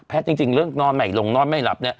แพทย์จริงเรื่องนอนใหม่ลงนอนไม่หลับ